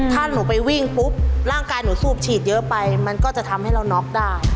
ถ้าหนูไปวิ่งปุ๊บร่างกายหนูสูบฉีดเยอะไปมันก็จะทำให้เราน็อกได้